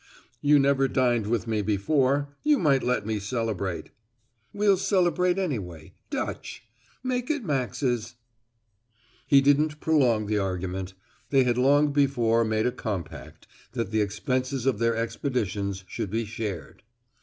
"You never dined with me before; you might let me celebrate. "We'll celebrate anyway, Dutch. Make it Max's." He didn't prolong the argument. They had long before made a compact that the expenses of their expeditions should be shared.